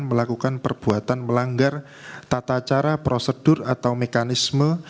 melakukan perbuatan melanggar tata cara prosedur atau mekanisme